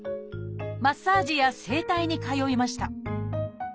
マッサージや整体に通いました。